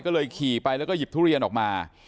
ก็เลยขี่ไปแล้วก็หยิบทุเรียนออกมา